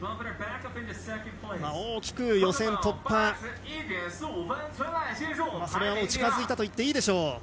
大きく予選突破が近づいたと言っていいでしょう